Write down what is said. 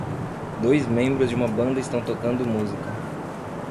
Dois membros de uma banda estão tocando música.